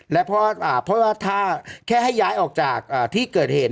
เพราะว่าถ้าแค่ให้ย้ายออกจากที่เกิดเหตุ